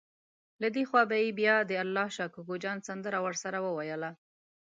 له دې خوا به یې بیا د الله شا کوکو جان سندره ورسره وویله.